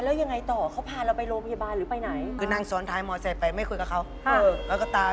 และจริงแบบนั้นเลยหรือเปล่าแบบนั้นเลยหรือเปล่าและจริงแบบนั้นเลยหรือเปล่า